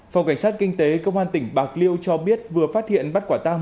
phòng cảnh sát kinh tế công an tỉnh bạc liêu cho biết vừa phát hiện bắt quả tang